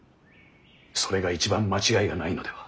それが一番間違いがないのでは。